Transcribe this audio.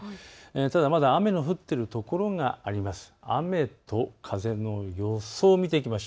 ただ、まだ雨の降っている所があります。